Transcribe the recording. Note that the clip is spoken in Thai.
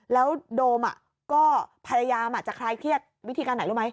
แล้วโดมก็พยายามจะคลายเครียดวิธีการไหนรู้ไหม